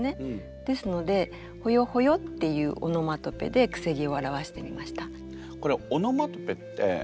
ですので「ほよほよ」っていうオノマトペでくせ毛を表してみました。